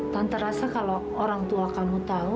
tanpa rasa kalau orang tua kamu tahu